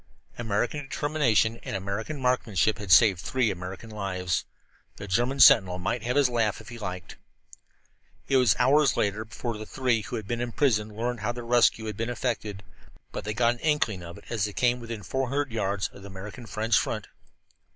American determination and American marksmanship had saved three American lives. The German sentinel might have his laugh if he liked. It was hours later before the three who had been imprisoned learned how their rescue had been effected; but they got an inkling of it as they came within four hundred yards of the American French front.